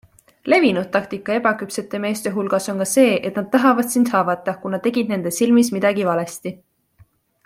Levinud taktika ebaküpsete meeste hulgas on ka see, et nad tahavad sind haavata, kuna tegid nende silmis midagi valesti.